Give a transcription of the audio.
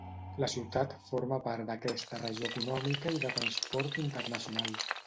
La ciutat forma part d'aquesta regió econòmica i de transport internacional.